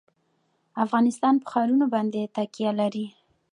افغانستان په ښارونه باندې تکیه لري.